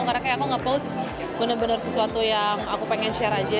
karena kayak aku ngepost bener bener sesuatu yang aku pengen share aja